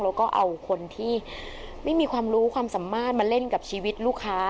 แล้วก็เอาคนที่ไม่มีความรู้ความสามารถมาเล่นกับชีวิตลูกค้า